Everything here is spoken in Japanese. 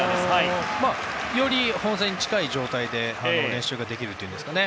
より本戦に近い状態で練習ができるというか。